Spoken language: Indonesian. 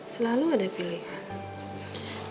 selalu ada pilihan